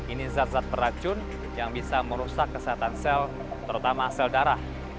ini zat zat peracun yang bisa merusak kesehatan sel terutama sel darah